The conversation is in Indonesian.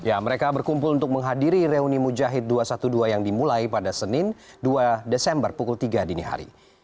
ya mereka berkumpul untuk menghadiri reuni mujahid dua ratus dua belas yang dimulai pada senin dua desember pukul tiga dini hari